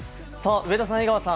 上田さん、江川さん